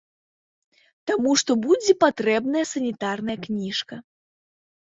Таму што будзе патрэбная санітарная кніжка.